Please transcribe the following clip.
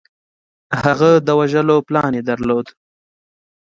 هغه د وژلو پلان یې درلود